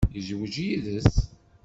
Yezweǧ yid-s.